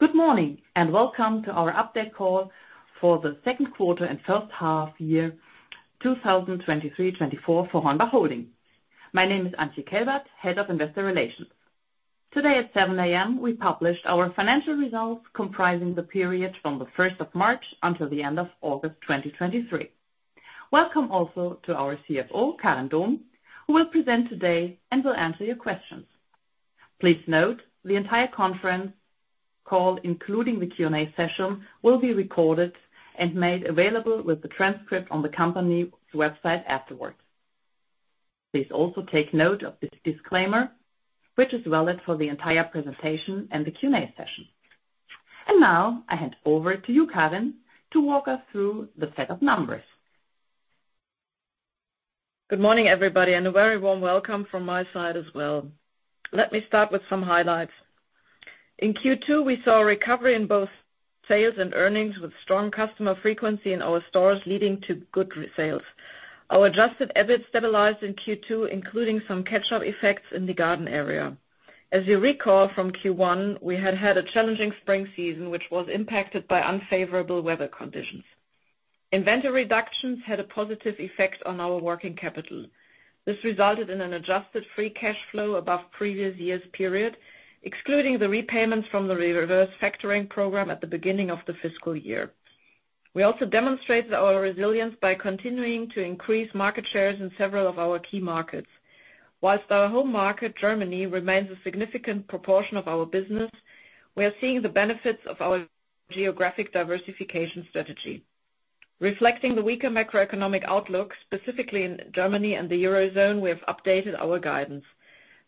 Good morning, and welcome to our update call for the Q2 and first half year 2023/24 for HORNBACH Holding. My name is Antje Kelbert, Head of Investor Relations. Today at 7 A.M., we published our financial results comprising the period from the first of March until the end of August 2023. Welcome also to our CFO, Karin Dohm, who will present today and will answer your questions. Please note, the entire conference call, including the Q&A session, will be recorded and made available with the transcript on the company's website afterwards. Please also take note of this disclaimer, which is valid for the entire presentation and the Q&A session. Now I hand over to you, Karin, to walk us through the set of numbers. Good morning, everybody, and a very warm welcome from my side as well. Let me start with some highlights. In Q2, we saw a recovery in both sales and earnings, with strong customer frequency in our stores, leading to good sales. Our Adjusted EBIT stabilized in Q2, including some catch-up effects in the garden area. As you recall from Q1, we had had a challenging spring season, which was impacted by unfavorable weather conditions. Inventory reductions had a positive effect on our working capital. This resulted in an Adjusted Free Cash Flow above previous year's period, excluding the repayments from the Reverse Factoring program at the beginning of the fiscal year. We also demonstrated our resilience by continuing to increase market shares in several of our key markets. While our home market, Germany, remains a significant proportion of our business, we are seeing the benefits of our geographic diversification strategy. Reflecting the weaker macroeconomic outlook, specifically in Germany and the Eurozone, we have updated our guidance.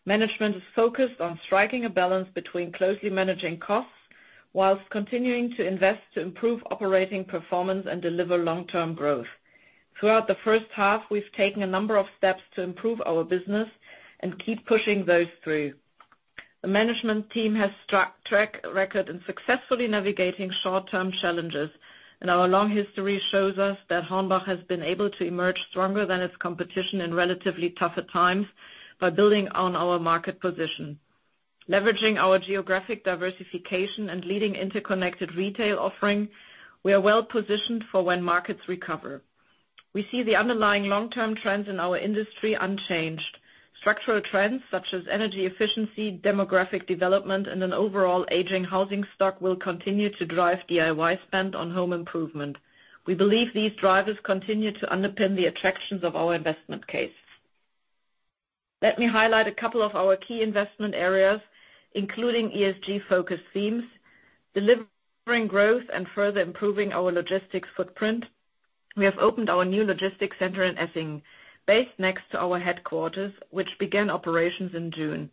Management is focused on striking a balance between closely managing costs while continuing to invest to improve operating performance and deliver long-term growth. Throughout the first half, we've taken a number of steps to improve our business and keep pushing those through. The management team has a strong track record in successfully navigating short-term challenges, and our long history shows us that HORNBACH has been able to emerge stronger than its competition in relatively tougher times by building on our market position. Leveraging our geographic diversification and leading interconnected retail offering, we are well positioned for when markets recover. We see the underlying long-term trends in our industry unchanged. Structural trends such as energy efficiency, demographic development, and an overall aging housing stock will continue to drive DIY spend on home improvement. We believe these drivers continue to underpin the attractions of our investment case. Let me highlight a couple of our key investment areas, including ESG focus themes. Delivering growth and further improving our logistics footprint, we have opened our new logistics center in Essig, based next to our headquarters, which began operations in June.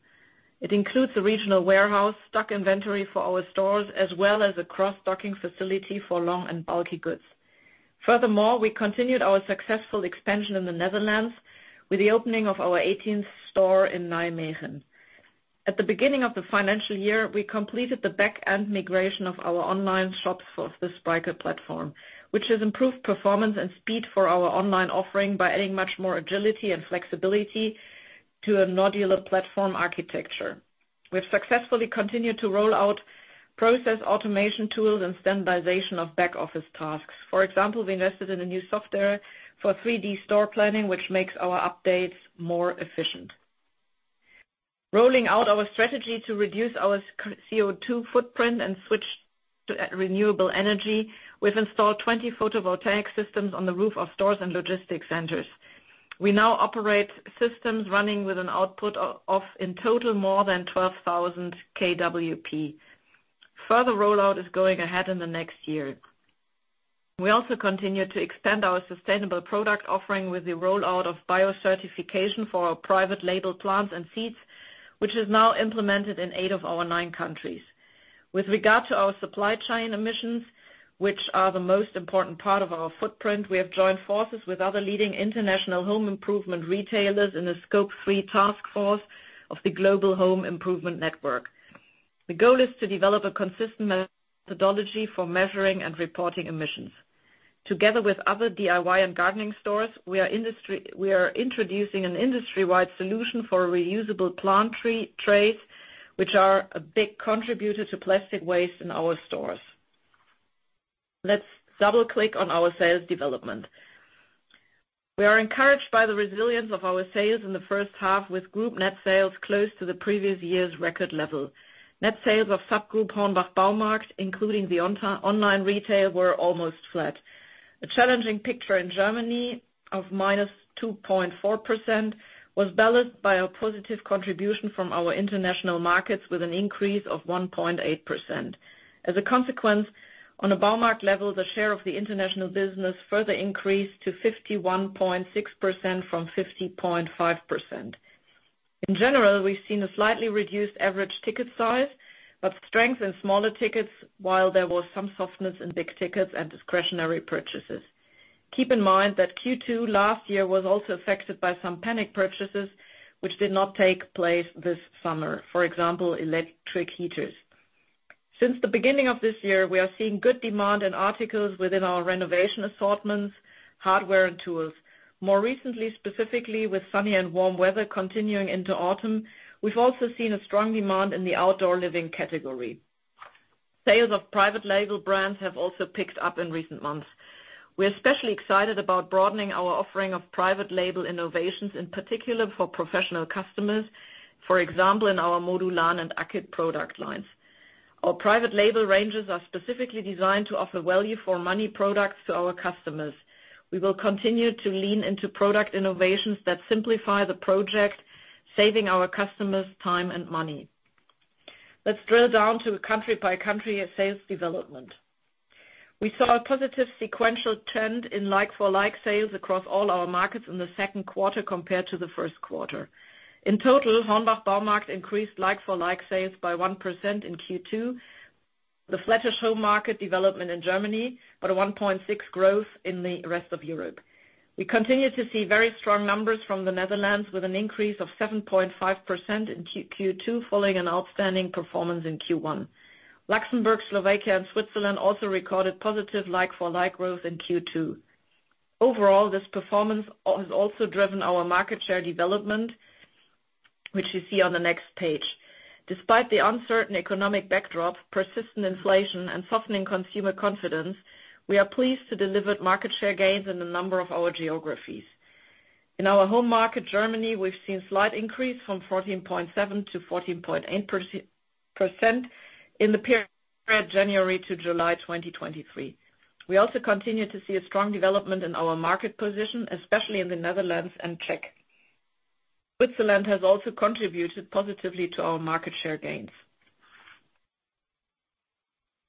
It includes a regional warehouse, stock inventory for our stores, as well as a cross-docking facility for long and bulky goods. Furthermore, we continued our successful expansion in the Netherlands with the opening of our eighteenth store in Nijmegen. At the beginning of the financial year, we completed the back-end migration of our online shops for the Spryker platform, which has improved performance and speed for our online offering by adding much more agility and flexibility to a modular platform architecture. We've successfully continued to roll out process automation tools and standardization of back-office tasks. For example, we invested in a new software for 3D store planning, which makes our updates more efficient. Rolling out our strategy to reduce our CO2 footprint and switch to renewable energy, we've installed 20 photovoltaic systems on the roof of stores and logistics centers. We now operate systems running with an output of, in total, more than 12,000 kWp. Further rollout is going ahead in the next year. We also continue to extend our sustainable product offering with the rollout of bio certification for our private label plants and seeds, which is now implemented in eight of our nine countries. With regard to our supply chain emissions, which are the most important part of our footprint, we have joined forces with other leading international home improvement retailers in a Scope 3 task force of the Global Home Improvement Network. The goal is to develop a consistent methodology for measuring and reporting emissions. Together with other DIY and gardening stores, we are introducing an industry-wide solution for reusable plant tree trays, which are a big contributor to plastic waste in our stores. Let's double-click on our sales development. We are encouraged by the resilience of our sales in the first half, with group net sales close to the previous year's record level. Net sales of subgroup HORNBACH Baumarkt, including the online retail, were almost flat. A challenging picture in Germany of -2.4% was balanced by a positive contribution from our international markets, with an increase of 1.8%. As a consequence, on a Baumarkt level, the share of the international business further increased to 51.6% from 50.5%. In general, we've seen a slightly reduced average ticket size, but strength in smaller tickets, while there was some softness in big tickets and discretionary purchases. Keep in mind that Q2 last year was also affected by some panic purchases, which did not take place this summer, for example, electric heaters.... Since the beginning of this year, we are seeing good demand in articles within our renovation assortments, hardware, and tools. More recently, specifically with sunny and warm weather continuing into autumn, we've also seen a strong demand in the outdoor living category. Sales of private label brands have also picked up in recent months. We're especially excited about broadening our offering of private label innovations, in particular for professional customers. For example, in our Modulor and Akkit product lines. Our private label ranges are specifically designed to offer value for money products to our customers. We will continue to lean into product innovations that simplify the project, saving our customers time and money. Let's drill down to a country-by-country sales development. We saw a positive sequential trend in like-for-like sales across all our markets in the Q2 compared to the Q1. In total, HORNBACH Baumarkt increased like-for-like sales by 1% in Q2, the flattest home market development in Germany, but a 1.6% growth in the rest of Europe. We continue to see very strong numbers from the Netherlands, with an increase of 7.5% in Q2, following an outstanding performance in Q1. Luxembourg, Slovakia, and Switzerland also recorded positive like-for-like growth in Q2. Overall, this performance has also driven our market share development, which you see on the next page. Despite the uncertain economic backdrop, persistent inflation, and softening consumer confidence, we are pleased to deliver market share gains in a number of our geographies. In our home market, Germany, we've seen slight increase from 14.7% to 14.8% in the period January to July 2023. We also continue to see a strong development in our market position, especially in the Netherlands and Czech. Switzerland has also contributed positively to our market share gains.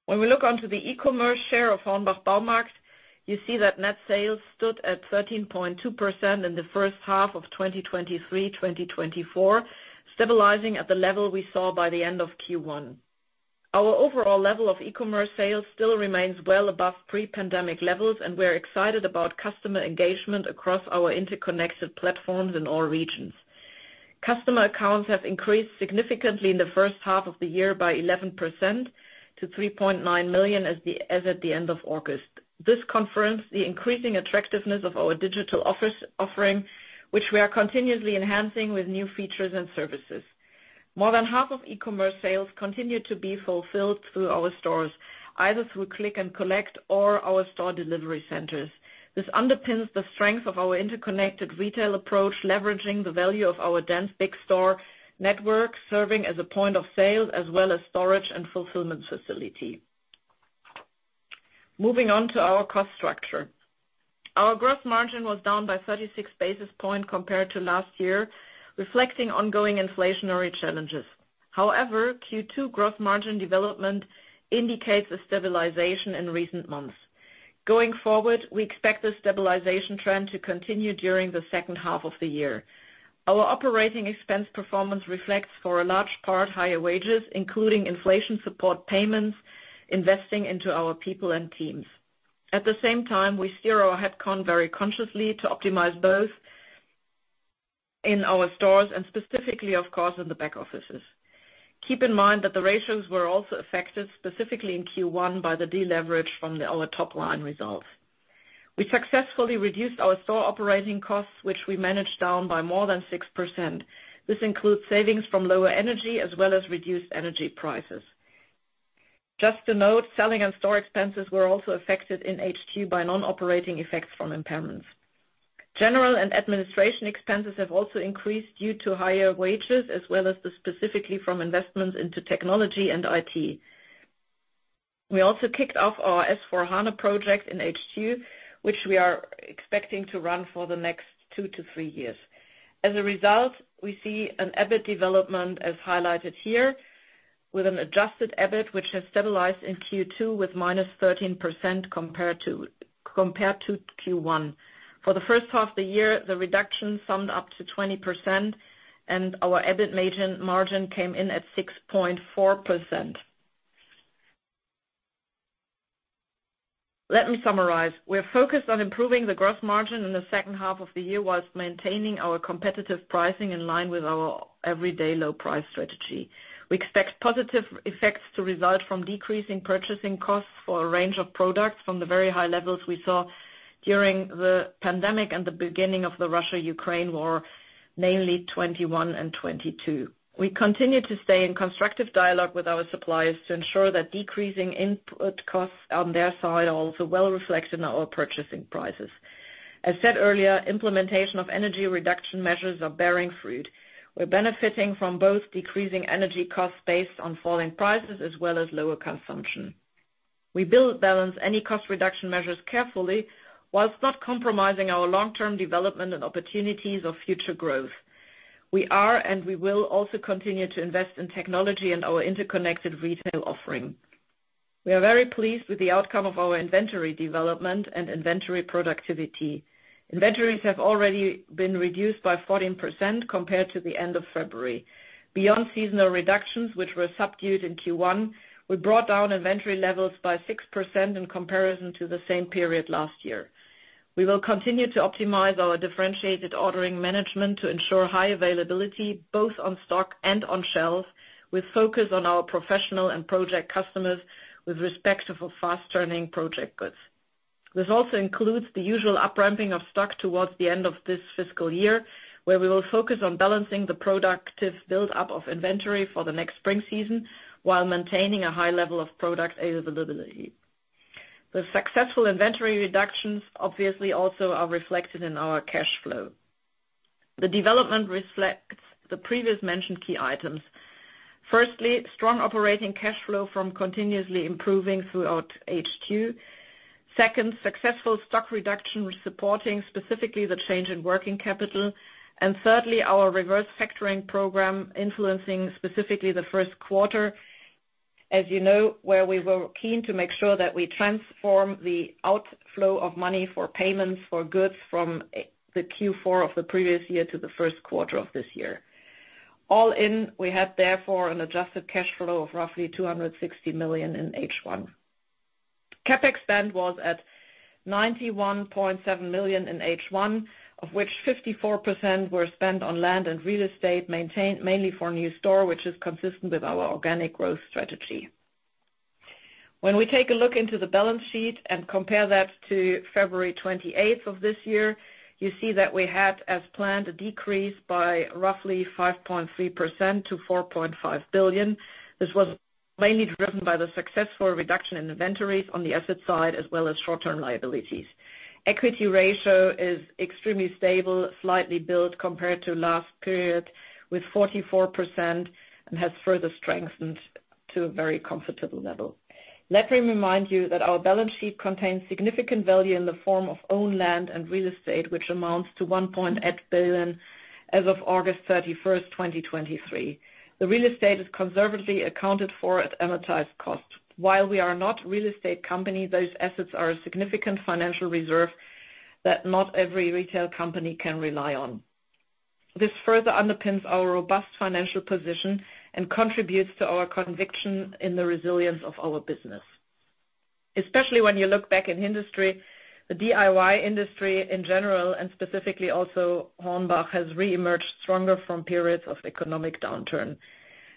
When we look onto the e-commerce share of HORNBACH Baumarkt, you see that net sales stood at 13.2% in the first half of 2023, 2024, stabilizing at the level we saw by the end of Q1. Our overall level of e-commerce sales still remains well above pre-pandemic levels, and we're excited about customer engagement across our interconnected platforms in all regions. Customer accounts have increased significantly in the first half of the year by 11% to 3.9 million as at the end of August. This confirms the increasing attractiveness of our digital office offering, which we are continuously enhancing with new features and services. More than half of e-commerce sales continue to be fulfilled through our stores, either through Click and Collect or our store delivery centers. This underpins the strength of our interconnected retail approach, leveraging the value of our dense big store network, serving as a point of sale, as well as storage and fulfillment facility. Moving on to our cost structure. Our gross margin was down by 36 basis points compared to last year, reflecting ongoing inflationary challenges. However, Q2 gross margin development indicates a stabilization in recent months. Going forward, we expect this stabilization trend to continue during the H2 of the year. Our operating expense performance reflects, for a large part, higher wages, including inflation support payments, investing into our people and teams. At the same time, we steer our headcount very consciously to optimize both in our stores and specifically, of course, in the back offices. Keep in mind that the ratios were also affected, specifically in Q1, by the deleveraging from our top line results. We successfully reduced our store operating costs, which we managed down by more than 6%. This includes savings from lower energy as well as reduced energy prices. Just to note, selling and store expenses were also affected in HQ by non-operating effects from impairments. General and administrative expenses have also increased due to higher wages, as well as specifically from investments into technology and IT. We also kicked off our S/4HANA project in HQ, which we are expecting to run for the next two years - three years. As a result, we see an EBIT development, as highlighted here, with an adjusted EBIT, which has stabilized in Q2 with -13% compared to Q1. For the first half of the year, the reduction summed up to 20%, and our EBIT margin came in at 6.4%. Let me summarize: We're focused on improving the gross margin in the H2 of the year, while maintaining our competitive pricing in line with our everyday low price strategy. We expect positive effects to result from decreasing purchasing costs for a range of products from the very high levels we saw during the pandemic and the beginning of the Russia-Ukraine war, mainly 2021 and 2022. We continue to stay in constructive dialogue with our suppliers to ensure that decreasing input costs on their side are also well reflected in our purchasing prices. As said earlier, implementation of energy reduction measures are bearing fruit. We're benefiting from both decreasing energy costs based on falling prices as well as lower consumption. We balance any cost reduction measures carefully, while not compromising our long-term development and opportunities of future growth. We are, and we will also continue to invest in technology and our interconnected retail offering. We are very pleased with the outcome of our inventory development and inventory productivity. Inventories have already been reduced by 14% compared to the end of February. Beyond seasonal reductions, which were subdued in Q1, we brought down inventory levels by 6% in comparison to the same period last year. We will continue to optimize our differentiated ordering management to ensure high availability, both on stock and on shelves, with focus on our professional and project customers, with respect to fast-turning project goods. This also includes the usual up-ramping of stock towards the end of this fiscal year, where we will focus on balancing the productive build-up of inventory for the next spring season, while maintaining a high level of product availability. The successful inventory reductions, obviously, also are reflected in our cash flow. The development reflects the previously mentioned key items. Firstly, strong operating cash flow from continuously improving throughout H2. Second, successful stock reduction, supporting specifically the change in working capital. And thirdly, our reverse factoring program, influencing specifically the Q1, as you know, where we were keen to make sure that we transform the outflow of money for payments for goods from the Q4 of the previous year to the Q1 of this year. All in, we had therefore an adjusted cash flow of roughly 260 million in H1. CapEx spend was at 91.7 million in H1, of which 54% were spent on land and real estate, maintained mainly for new store, which is consistent with our organic growth strategy. When we take a look into the balance sheet and compare that to February twenty-eighth of this year, you see that we had, as planned, a decrease by roughly 5.3% to 4.5 billion. This was mainly driven by the successful reduction in inventories on the asset side, as well as short-term liabilities. Equity ratio is extremely stable, slightly built compared to last period, with 44%, and has further strengthened to a very comfortable level. Let me remind you that our balance sheet contains significant value in the form of own land and real estate, which amounts to 1.8 billion as of August 31, 2023. The real estate is conservatively accounted for at amortized cost. While we are not real estate company, those assets are a significant financial reserve that not every retail company can rely on. This further underpins our robust financial position and contributes to our conviction in the resilience of our business. Especially when you look back in industry, the DIY industry in general, and specifically also, HORNBACH, has reemerged stronger from periods of economic downturn.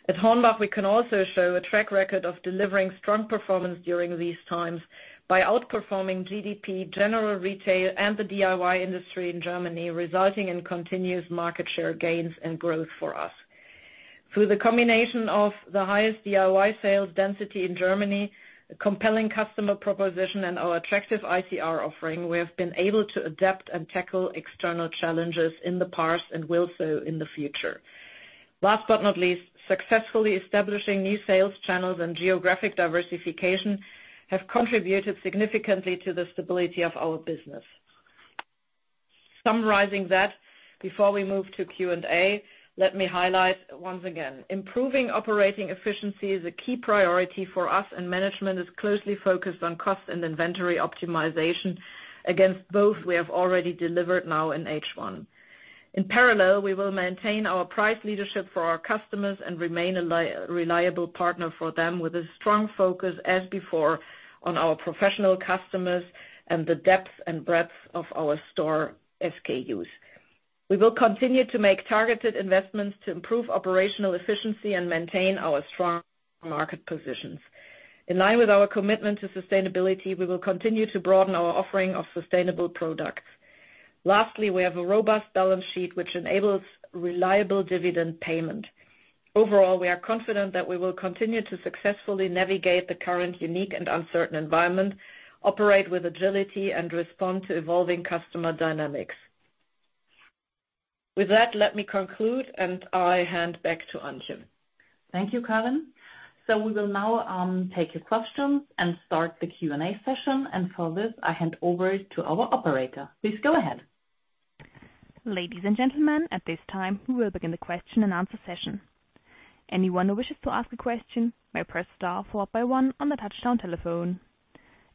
At HORNBACH, we can also show a track record of delivering strong performance during these times by outperforming GDP, general retail, and the DIY industry in Germany, resulting in continuous market share gains and growth for us. Through the combination of the highest DIY sales density in Germany, a compelling customer proposition, and our attractive ICR offering, we have been able to adapt and tackle external challenges in the past and will so in the future. Last but not least, successfully establishing new sales channels and geographic diversification have contributed significantly to the stability of our business. Summarizing that, before we move to Q&A, let me highlight once again, improving operating efficiency is a key priority for us, and management is closely focused on cost and inventory optimization. Against both, we have already delivered now in H1. In parallel, we will maintain our price leadership for our customers and remain a reliable partner for them, with a strong focus, as before, on our professional customers and the depth and breadth of our store SKUs. We will continue to make targeted investments to improve operational efficiency and maintain our strong market positions. In line with our commitment to sustainability, we will continue to broaden our offering of sustainable products. Lastly, we have a robust balance sheet, which enables reliable dividend payment. Overall, we are confident that we will continue to successfully navigate the current unique and uncertain environment, operate with agility, and respond to evolving customer dynamics. With that, let me conclude, and I hand back to Antje. Thank you, Karin. So we will now take your questions and start the Q&A session, and for this, I hand over to our operator. Please go ahead. Ladies and gentlemen, at this time, we will begin the question-and-answer session. Anyone who wishes to ask a question may press star followed by one on the touchtone telephone.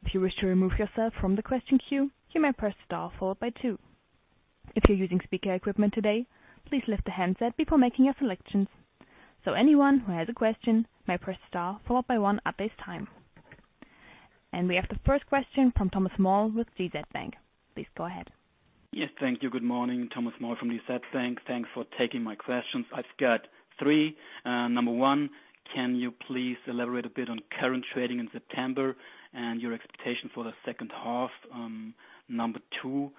If you wish to remove yourself from the question queue, you may press star followed by two. If you're using speaker equipment today, please lift the handset before making your selections. Anyone who has a question may press star followed by one at this time. We have the first question from Thomas Moll with DZ Bank. Please go ahead. Yes, thank you. Good morning, Thomas Moll from DZ Bank. Thanks for taking my questions. I've got three. Number one, can you please elaborate a bit on current trading in September and your expectation for the H2? Number two,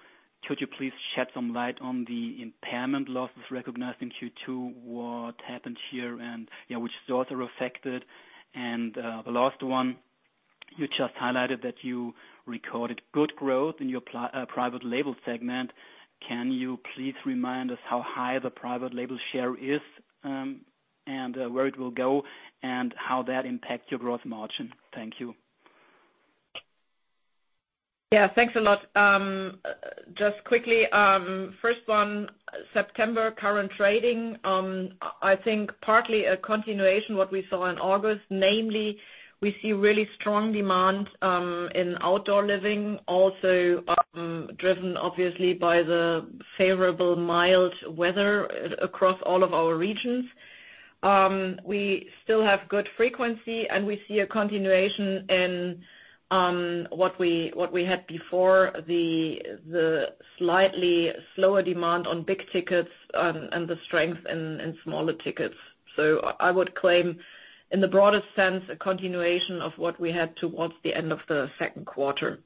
could you please shed some light on the impairment losses recognized in Q2, what happened here, and, yeah, which stores are affected? And, the last one, you just highlighted that you recorded good growth in your private label segment. Can you please remind us how high the private label share is, and, where it will go, and how that impacts your gross margin? Thank you. Yeah, thanks a lot. Just quickly, first one, September, current trading, I think partly a continuation what we saw in August, namely, we see really strong demand, in outdoor living, also, driven obviously by the favorable, mild weather across all of our regions. We still have good frequency, and we see a continuation in, what we, what we had before, the, the slightly slower demand on big tickets, and the strength in, in smaller tickets. So I would claim, in the broadest sense, a continuation of what we had towards the end of the Q2.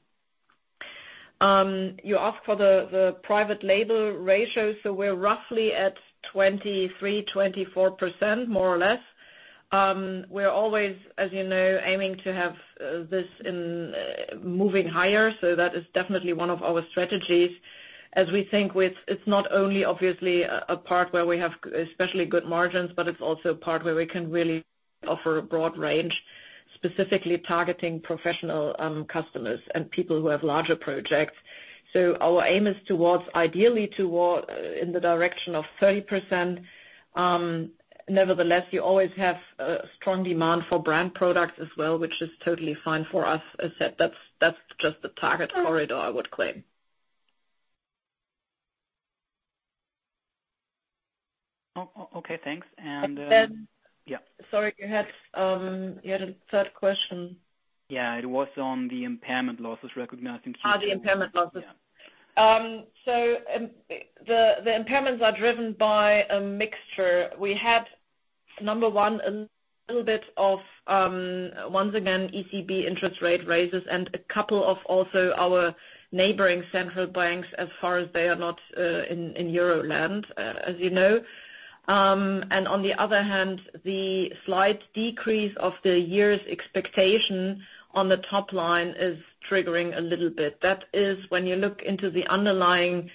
You asked for the, the private label ratio, so we're roughly at 23%-24%, more or less. We're always, as you know, aiming to have this in moving higher, so that is definitely one of our strategies, as we think with it's not only obviously a part where we have especially good margins, but it's also a part where we can really offer a broad range, specifically targeting professional customers and people who have larger projects. So our aim is towards, ideally toward, in the direction of 30%. Nevertheless, you always have a strong demand for brand products as well, which is totally fine for us. As I said, that's just the target corridor, I would claim. Oh, okay, thanks. And And then- Yeah. Sorry, you had a third question. Yeah, it was on the impairment losses recognizing- Ah, the impairment losses. Yeah. So, the impairments are driven by a mixture. We had, number one, a little bit of, once again, ECB interest rate raises and a couple of also our neighboring central banks as far as they are not in Eurozone, as you know. And on the other hand, the slight decrease of the year's expectation on the top line is triggering a little bit. That is, when you look into the underlying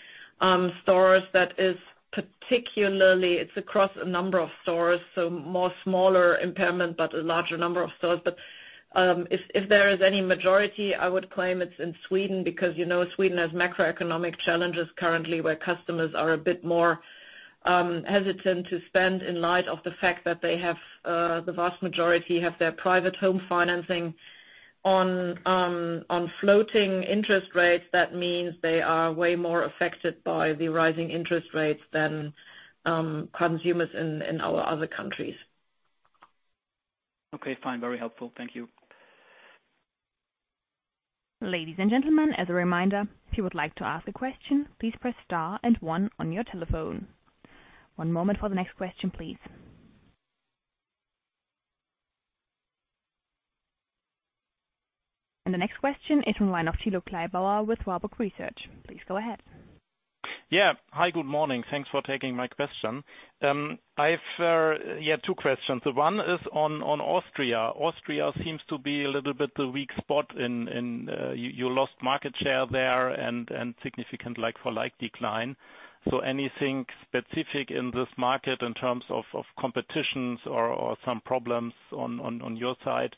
stores, that is particularly, it's across a number of stores, so more smaller impairment, but a larger number of stores. But if there is any majority, I would claim it's in Sweden, because, you know, Sweden has macroeconomic challenges currently, where customers are a bit more hesitant to spend in light of the fact that they have, the vast majority have their private home financing on floating interest rates. That means they are way more affected by the rising interest rates than consumers in our other countries. Okay, fine. Very helpful. Thank you. Ladies and gentlemen, as a reminder, if you would like to ask a question, please press star and one on your telephone. One moment for the next question, please. The next question is from Thilo Kleibauer with Warburg Research. Please go ahead. Yeah. Hi, good morning. Thanks for taking my question. I've two questions. One is on Austria. Austria seems to be a little bit the weak spot in you lost market share there and significant like-for-like decline. So anything specific in this market in terms of competition or some problems on your side?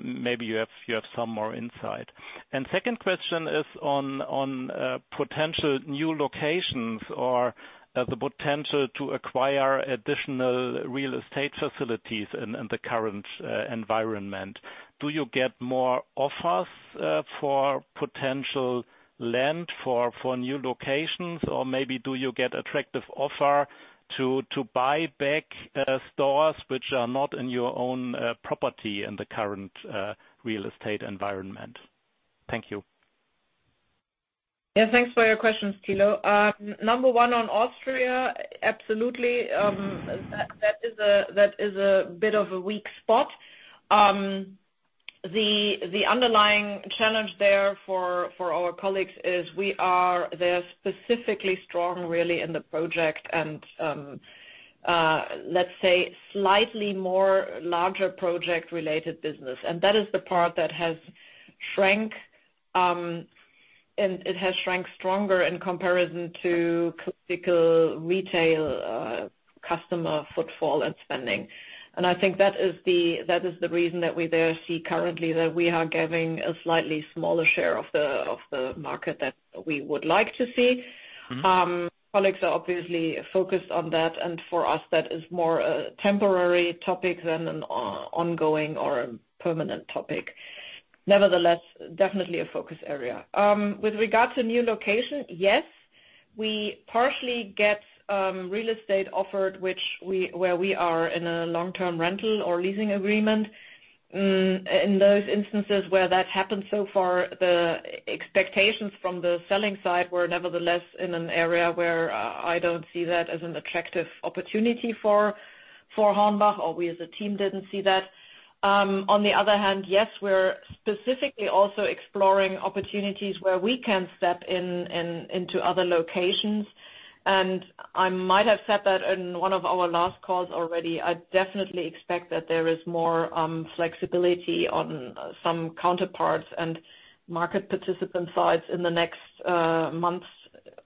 Maybe you have some more insight. And second question is on potential new locations or the potential to acquire additional real estate facilities in the current environment. Do you get more offers for potential land for new locations? Or maybe do you get attractive offer to buy back stores which are not in your own property in the current real estate environment? Thank you. Yeah, thanks for your questions, Thilo. Number one, on Austria, absolutely, that is a bit of a weak spot. The underlying challenge there for our colleagues is we are, they're specifically strong really in the project and, let's say slightly more larger project-related business, and that is the part that has shrank, and it has shrank stronger in comparison to critical retail, customer footfall and spending. And I think that is the reason that we there see currently that we are giving a slightly smaller share of the market that we would like to see. Mm-hmm. Colleagues are obviously focused on that, and for us, that is more a temporary topic than an ongoing or a permanent topic. Nevertheless, definitely a focus area. With regards to new location, yes, we partially get real estate offered, which we are in a long-term rental or leasing agreement. In those instances where that's happened so far, the expectations from the selling side were nevertheless in an area where I don't see that as an attractive opportunity for HORNBACH, or we as a team didn't see that. On the other hand, yes, we're specifically also exploring opportunities where we can step in into other locations, and I might have said that in one of our last calls already. I definitely expect that there is more flexibility on some counterparts and market participant sides in the next months,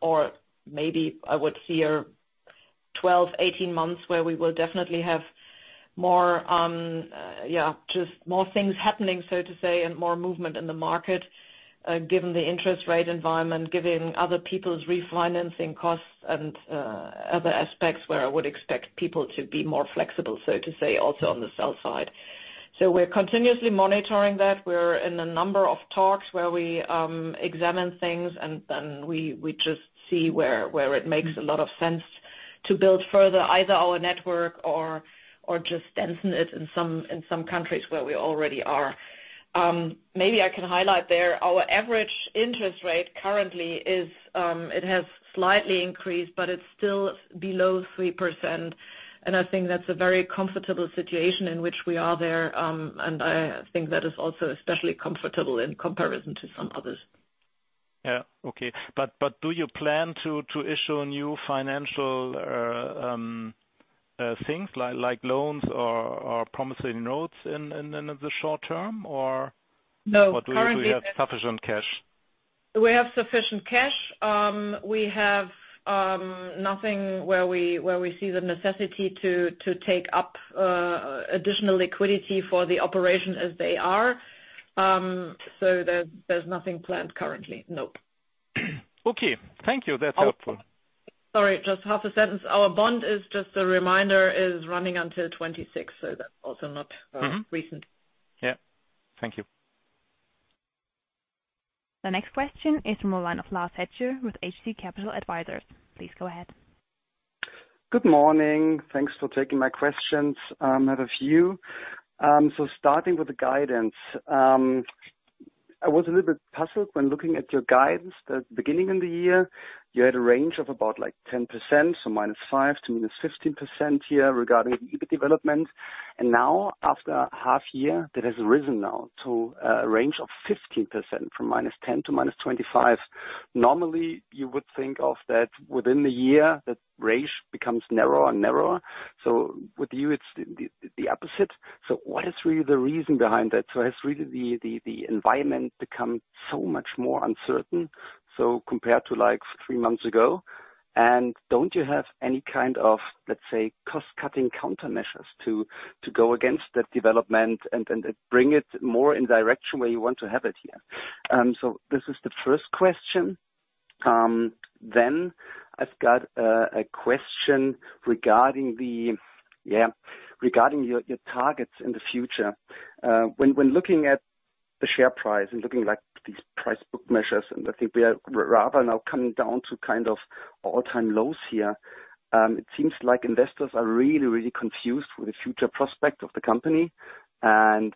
or maybe I would say 12 months -18 months, where we will definitely have more, just more things happening, so to say, and more movement in the market, given the interest rate environment, given other people's refinancing costs and other aspects where I would expect people to be more flexible, so to say, also on the sell side. We're continuously monitoring that. We're in a number of talks where we examine things, and then we just see where it makes a lot of sense to build further, either our network or just densify it in some countries where we already are. Maybe I can highlight there, our average interest rate currently is, it has slightly increased, but it's still below 3%, and I think that's a very comfortable situation in which we are there, and I think that is also especially comfortable in comparison to some others. Yeah. Okay. But do you plan to issue new financial things like loans or promissory notes in the short term, or? No, currently- Do you have sufficient cash? We have sufficient cash. We have nothing where we see the necessity to take up additional liquidity for the operation as they are. So there, there's nothing planned currently. Nope. Okay. Thank you. That's helpful. Sorry, just half a sentence. Our bond, just a reminder, is running until 2026, so that's also not- Mm-hmm... recent. Yeah. Thank you. The next question is from the line of Lars Hepp with Hauck & Aufhäuser. Please go ahead. Good morning. Thanks for taking my questions. I have a few. So starting with the guidance, I was a little bit puzzled when looking at your guidance. The beginning of the year, you had a range of about, like, 10%, so -5% to -15% here regarding EBIT development. And now, after a half year, that has risen now to a range of 15%, from -10% to -25%. Normally, you would think of that within the year, that range becomes narrower and narrower. So with you, it's the opposite. So what is really the reason behind that? So has really the environment become so much more uncertain, so compared to, like, three months ago? Don't you have any kind of, let's say, cost-cutting countermeasures to, to go against that development and, and, bring it more in direction where you want to have it here? So this is the first question. Then I've got a question regarding the, yeah, regarding your, your targets in the future. When, when looking at the share price and looking, like, these price book measures, and I think we are rather now coming down to kind of all-time lows here, it seems like investors are really, really confused with the future prospect of the company. And,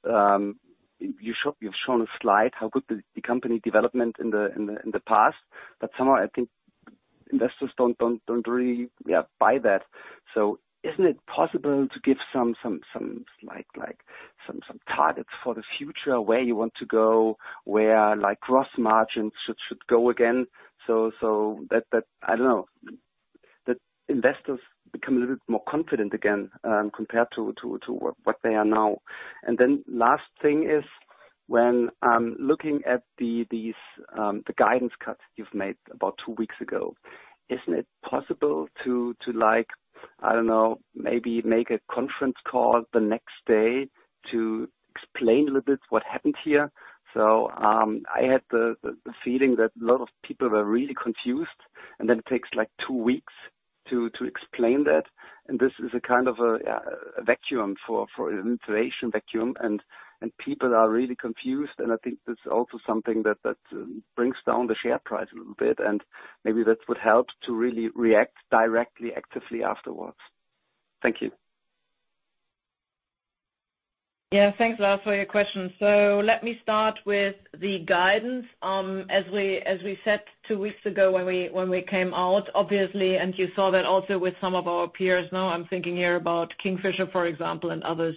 you've shown a slide, how good the, the company development in the, in the, in the past. But somehow, I think investors don't, don't, don't really, yeah, buy that. So isn't it possible to give some like some targets for the future, where you want to go, where like gross margins should go again? So that I don't know the investors become a little bit more confident again compared to what they are now. And then last thing is, when I'm looking at these guidance cuts you've made about two weeks ago, isn't it possible to like I don't know maybe make a conference call the next day to explain a little bit what happened here? So I had the feeling that a lot of people were really confused, and then it takes like two weeks to explain that. And this is a kind of vacuum for an insulation vacuum, and people are really confused, and I think that's also something that brings down the share price a little bit, and maybe that would help to really react directly, actively afterwards. Thank you. Yeah. Thanks, Lars, for your questions. So let me start with the guidance. As we said two weeks ago when we came out, obviously, and you saw that also with some of our peers, now I'm thinking here about Kingfisher, for example, and others.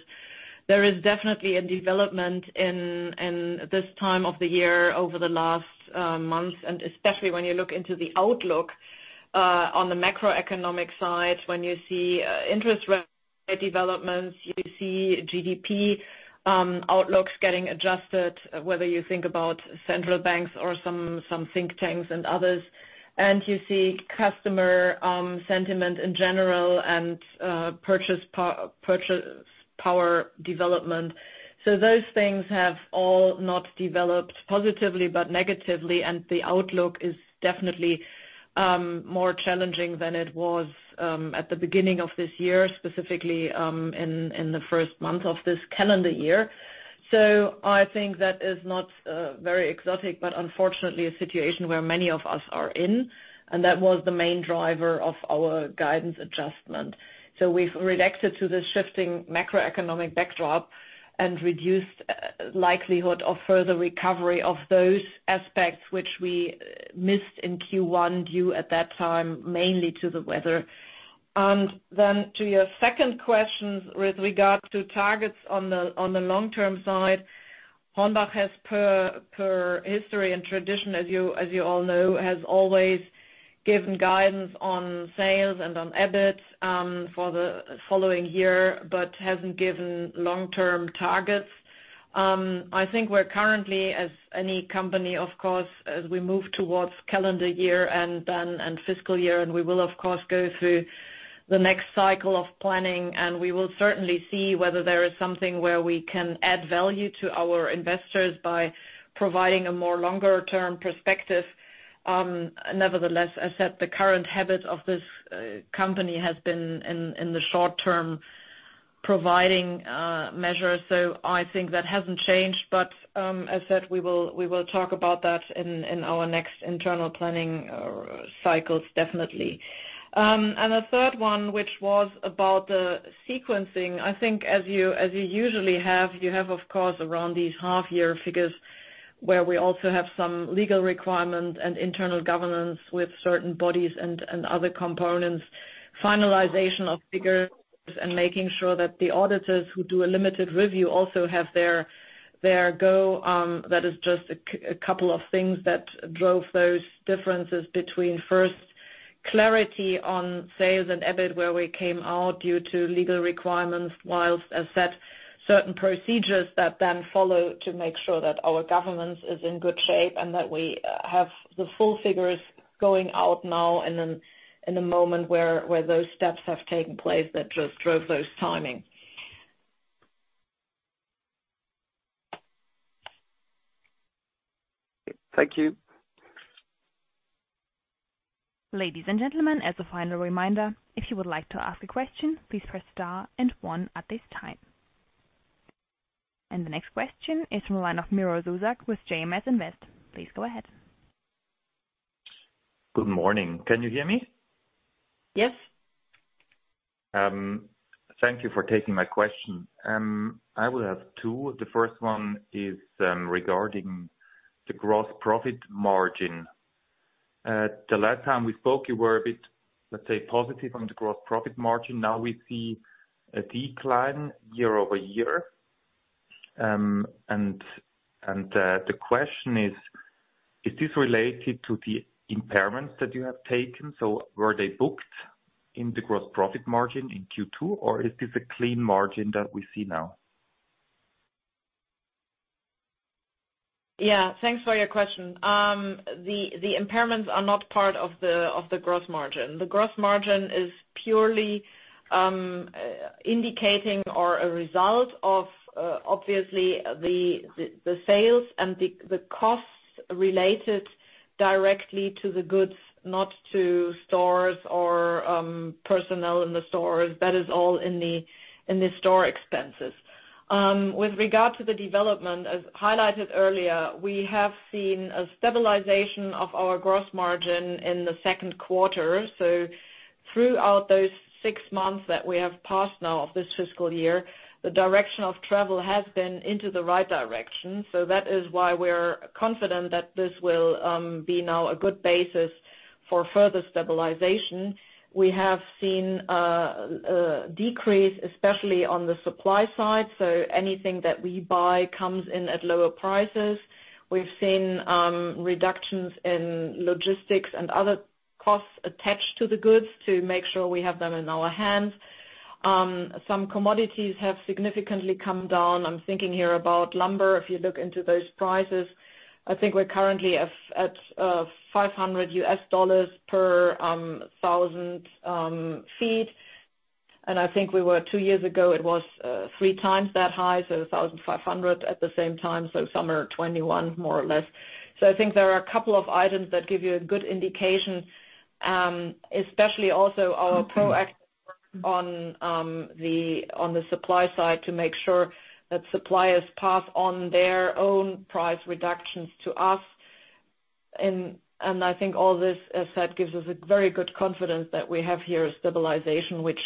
There is definitely a development in this time of the year over the last months, and especially when you look into the outlook on the macroeconomic side, when you see interest rate developments, you see GDP outlooks getting adjusted, whether you think about central banks or some think tanks and others. And you see customer sentiment in general and purchase power development. So those things have all not developed positively but negatively, and the outlook is definitely more challenging than it was at the beginning of this year, specifically in the first month of this calendar year. So I think that is not very exotic, but unfortunately, a situation where many of us are in, and that was the main driver of our guidance adjustment. So we've reacted to the shifting macroeconomic backdrop and reduced likelihood of further recovery of those aspects which we missed in Q1, due at that time, mainly to the weather. And then to your second question with regard to targets on the long-term side, HORNBACH has, per history and tradition, as you all know, always given guidance on sales and on EBIT for the following year, but hasn't given long-term targets. I think we're currently, as any company, of course, as we move towards calendar year and then, and fiscal year, and we will of course go through the next cycle of planning, and we will certainly see whether there is something where we can add value to our investors by providing a more longer-term perspective. Nevertheless, I said the current habit of this company has been in the short term providing measures. So I think that hasn't changed. But, as said, we will, we will talk about that in our next internal planning cycles, definitely. And a third one, which was about the sequencing. I think as you usually have, you have, of course, around these half-year figures, where we also have some legal requirement and internal governance with certain bodies and other components, finalization of figures and making sure that the auditors who do a limited review also have their go. That is just a couple of things that drove those differences between first clarity on sales and EBIT, where we came out due to legal requirements. Whilst as said, certain procedures that then follow to make sure that our governance is in good shape and that we have the full figures going out now and in a moment where those steps have taken place, that just drove those timing. Thank you. Ladies and gentlemen, as a final reminder, if you would like to ask a question, please press star and one at this time. And the next question is from the line of Miro Zuzak with J.P. Morgan. Please go ahead. Good morning. Can you hear me? Yes. Thank you for taking my question. I will have two. The first one is regarding the gross profit margin. The last time we spoke, you were a bit, let's say, positive on the gross profit margin. Now we see a decline year-over-year. The question is: Is this related to the impairments that you have taken? So were they booked in the gross profit margin in Q2, or is this a clean margin that we see now? Yeah, thanks for your question. The impairments are not part of the gross margin. The gross margin is purely indicating or a result of, obviously, the sales and the costs related directly to the goods, not to stores or personnel in the stores. That is all in the store expenses. With regard to the development, as highlighted earlier, we have seen a stabilization of our gross margin in the Q2. So throughout those six months that we have passed now of this fiscal year, the direction of travel has been into the right direction. So that is why we're confident that this will be now a good basis for further stabilization. We have seen a decrease, especially on the supply side, so anything that we buy comes in at lower prices. We've seen reductions in logistics and other costs attached to the goods to make sure we have them in our hands. Some commodities have significantly come down. I'm thinking here about lumber. If you look into those prices, I think we're currently at five hundred US dollars per thousand feet. And I think we were two years ago, it was three times that high, so 1,500 at the same time, so summer 2021, more or less. So I think there are a couple of items that give you a good indication, especially also our proactive on the supply side, to make sure that suppliers pass on their own price reductions to us. And I think all this, as said, gives us a very good confidence that we have here a stabilization, which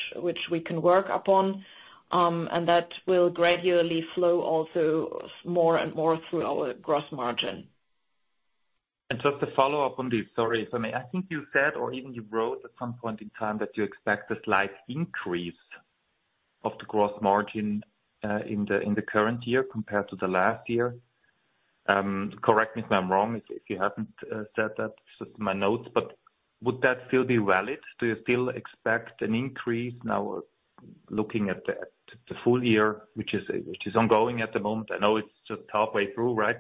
we can work upon, and that will gradually flow also more and more through our gross margin. Just to follow up on this, sorry, if I may. I think you said, or even you wrote at some point in time, that you expect a slight increase of the Gross Margin in the current year compared to the last year. Correct me if I'm wrong, if you haven't said that, it's just my notes, but would that still be valid? Do you still expect an increase now, looking at the full year, which is ongoing at the moment? I know it's just halfway through, right?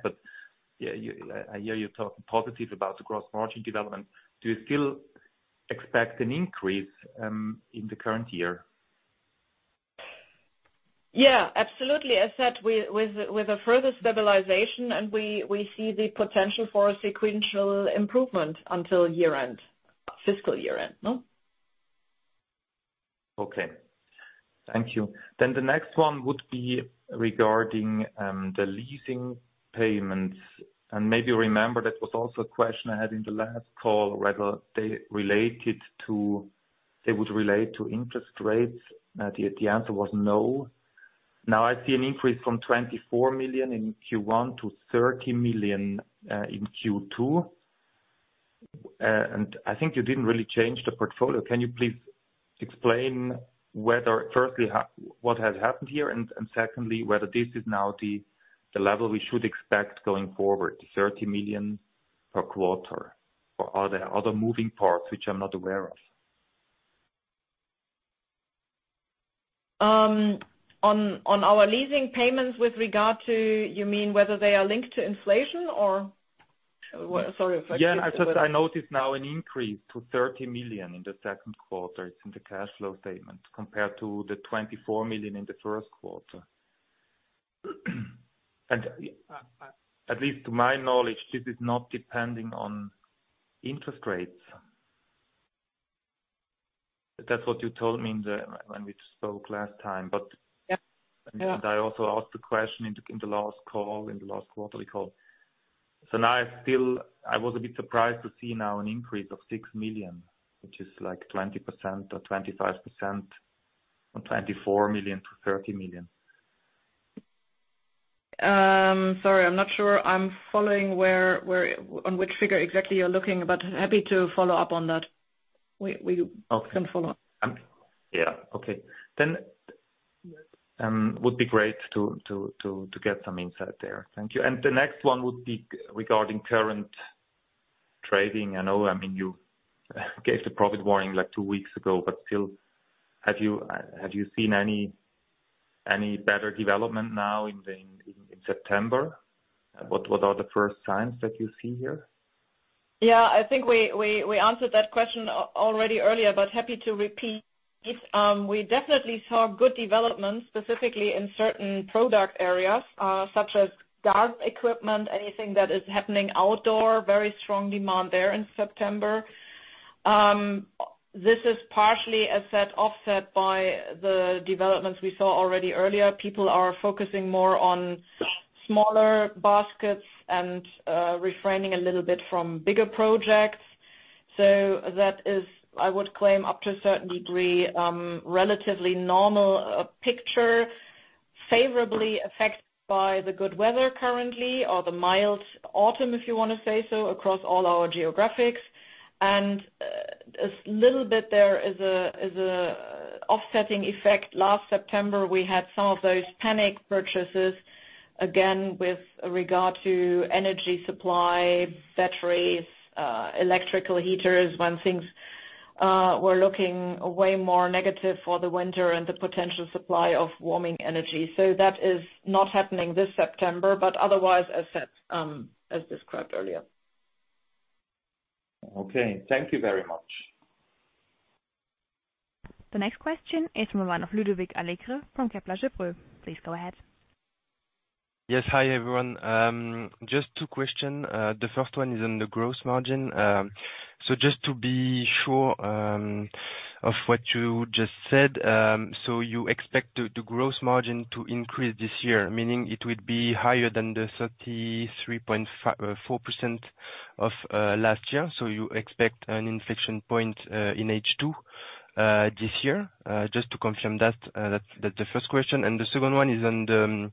But, yeah, I hear you talking positive about the Gross Margin development. Do you still expect an increase in the current year? Yeah, absolutely. As said, with a further stabilization, and we see the potential for a sequential improvement until year-end, fiscal year-end, no? Okay. Thank you. Then the next one would be regarding the leasing payments. And maybe you remember, that was also a question I had in the last call, whether they related to-- they would relate to interest rates. The answer was no. Now, I see an increase from 24 million in Q1 to 30 million in Q2. And I think you didn't really change the portfolio. Can you please explain whether, firstly, what has happened here, and, secondly, whether this is now the level we should expect going forward, 30 million per quarter, or are there other moving parts which I'm not aware of? On our leasing payments with regard to, you mean whether they are linked to inflation or? Sorry, if I- Yeah, I just noticed an increase to 30 million in the Q2; it's in the cash flow statement, compared to 24 million in the Q1. And, at least to my knowledge, this is not depending on interest rates... That's what you told me when we spoke last time, but- Yeah, yeah. I also asked the question in the, in the last call, in the last quarterly call. So now I still, I was a bit surprised to see now an increase of 6 million, which is like 20% or 25%, from 24 million to 30 million. Sorry, I'm not sure. I'm following where on which figure exactly you're looking, but happy to follow up on that. Okay. can follow up. Yeah. Okay. Then, would be great to get some insight there. Thank you. And the next one would be regarding current trading. I know, I mean, you gave the profit warning, like, two weeks ago, but still, have you seen any better development now in September? What are the first signs that you see here? Yeah, I think we answered that question already earlier, but happy to repeat. We definitely saw good development, specifically in certain product areas, such as garden equipment, anything that is happening outdoor, very strong demand there in September. This is partially, as said, offset by the developments we saw already earlier. People are focusing more on smaller baskets and refraining a little bit from bigger projects. So that is, I would claim, up to a certain degree, relatively normal picture, favorably affected by the good weather currently, or the mild autumn, if you want to say so, across all our geographics. And a little bit there is a offsetting effect. Last September, we had some of those panic purchases, again, with regard to energy supply, batteries, electrical heaters, when things were looking way more negative for the winter and the potential supply of warming energy. So that is not happening this September, but otherwise, as said, as described earlier. Okay, thank you very much. The next question is from Ludovic Allègre from Kepler Cheuvreux. Please go ahead. Yes, hi, everyone. Just two questions. The first one is on the gross margin. So just to be sure, of what you just said, so you expect the gross margin to increase this year, meaning it would be higher than the 33.4% of last year? So you expect an inflection point, in H2, this year? Just to confirm that, that's the first question. And the second one is on the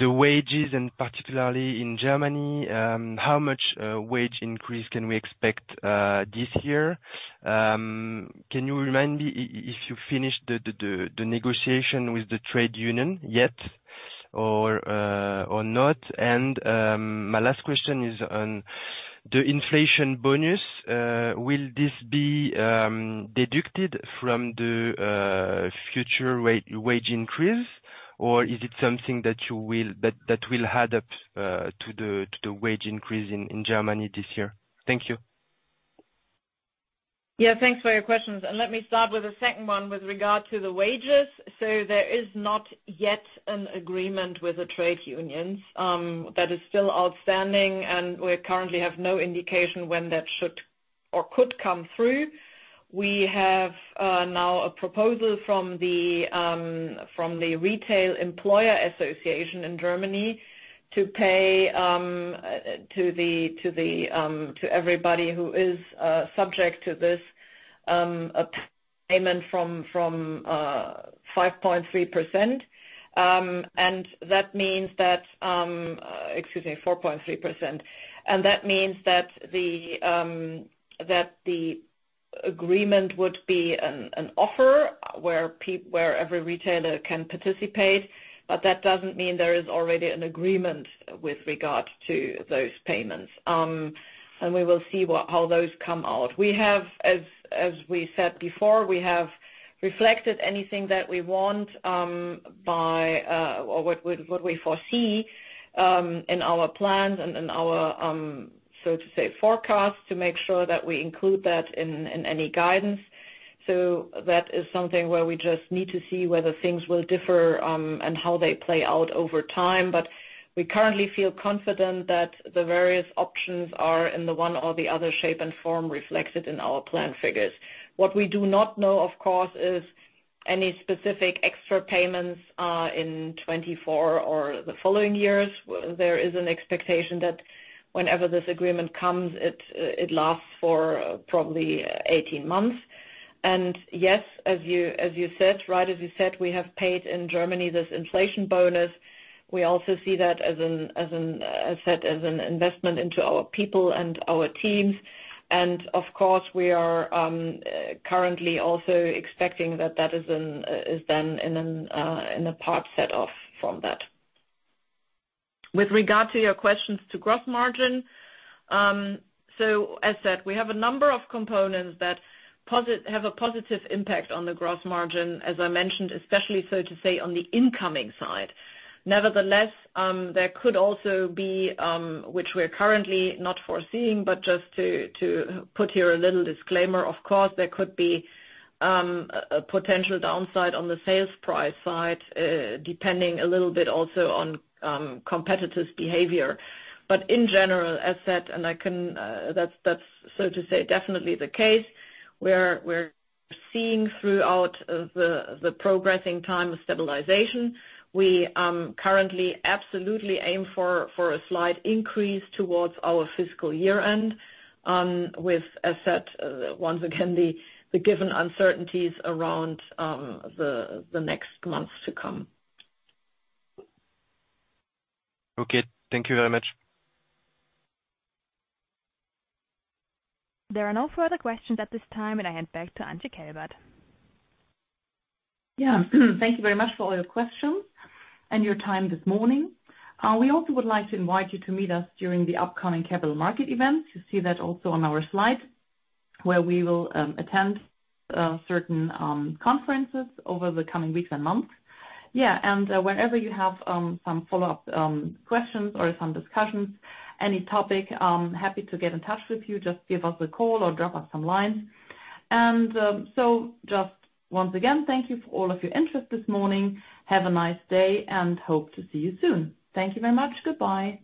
wages, and particularly in Germany, how much wage increase can we expect, this year? Can you remind me if you finished the negotiation with the trade union yet, or not? And, my last question is on the inflation bonus. Will this be deducted from the future wage increase, or is it something that will add up to the wage increase in Germany this year? Thank you. Yeah, thanks for your questions, and let me start with the second one with regard to the wages. So there is not yet an agreement with the trade unions. That is still outstanding, and we currently have no indication when that should or could come through. We have now a proposal from the Retail Employer Association in Germany to pay to the to the to everybody who is subject to this a payment from from 5.3%. And that means that excuse me 4.3%. And that means that the that the agreement would be an offer where every retailer can participate, but that doesn't mean there is already an agreement with regard to those payments. And we will see what how those come out. We have, as, as we said before, we have reflected anything that we want, by, or what we, what we foresee, in our plans and in our, so to say, forecasts, to make sure that we include that in, in any guidance. So that is something where we just need to see whether things will differ, and how they play out over time. But we currently feel confident that the various options are, in the one or the other shape and form, reflected in our plan figures. What we do not know, of course, is any specific extra payments, in 2024 or the following years. There is an expectation that whenever this agreement comes, it, it lasts for probably 18 months. And yes, as you, as you said, right, as you said, we have paid in Germany this inflation bonus. We also see that as said, as an investment into our people and our teams. Of course, we are currently also expecting that that is in, is then in a part set off from that. With regard to your questions to gross margin, so as said, we have a number of components that have a positive impact on the gross margin, as I mentioned, especially, so to say, on the incoming side. Nevertheless, there could also be, which we're currently not foreseeing, but just to put here a little disclaimer, of course, there could be a potential downside on the sales price side, depending a little bit also on competitors' behavior. But in general, as said, and I can, that's so to say, definitely the case, we're seeing throughout the progressing time of stabilization. We currently absolutely aim for a slight increase towards our fiscal year end, with, as said, once again, the given uncertainties around the next months to come. Okay, thank you very much. There are no further questions at this time, and I hand back to Antje Kelbert. Yeah. Thank you very much for all your questions and your time this morning. We also would like to invite you to meet us during the upcoming capital market event. You see that also on our slide, where we will attend certain conferences over the coming weeks and months. Yeah, and whenever you have some follow-up questions or some discussions, any topic, I'm happy to get in touch with you. Just give us a call or drop us some lines. And so just once again, thank you for all of your interest this morning. Have a nice day, and hope to see you soon. Thank you very much. Goodbye.